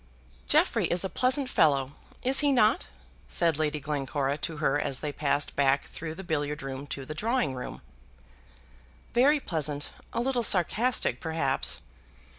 "Jeffrey is a pleasant fellow, is he not?" said Lady Glencora to her as they passed back through the billiard room to the drawing room. "Very pleasant; a little sarcastic, perhaps."